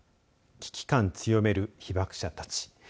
危機感強める被爆者たち。